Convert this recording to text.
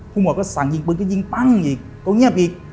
หมวดก็สั่งยิงปืนก็ยิงปั้งอีกก็เงียบอีก